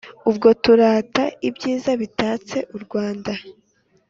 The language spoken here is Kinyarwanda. Ubwo turata ibyiza bitatse u Rwanda